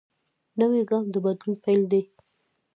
نوی ګام د بدلون پیل دی